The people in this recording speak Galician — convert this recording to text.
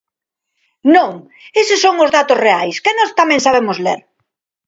Non, eses son os datos reais que nós tamén sabemos ler.